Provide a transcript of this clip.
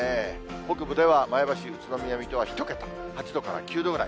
北部では、前橋、宇都宮、水戸は１桁、８度から９度ぐらい。